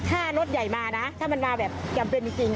ถ้ารถใหญ่มานะถ้ามันมาแบบจำเป็นจริง